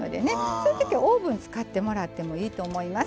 そういうときはオーブン使ってもらってもいいと思います。